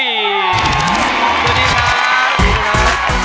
สวัสดีครับ